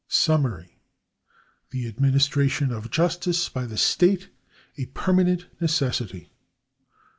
SUMMARY. The administi ation of justice by the state a permanent necessity.